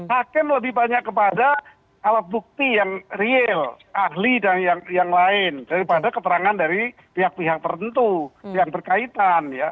hakim lebih banyak kepada alat bukti yang real ahli dan yang lain daripada keterangan dari pihak pihak tertentu yang berkaitan ya